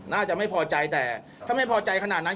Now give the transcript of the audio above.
น่าจะไม่พอใจแต่ถ้าไม่พอใจขนาดนั้น